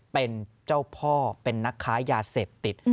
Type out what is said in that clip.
เป็นเจ้าพ่อเป็นนักค้ายาเสพติด